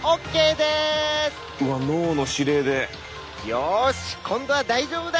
よし今度は大丈夫だ！